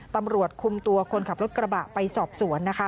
ตำรวจคุมตัวคนขับรถกระบะไปสอบสวนนะคะ